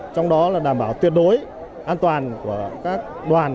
trong đó là đảm bảo tuyệt đối an toàn của các đoàn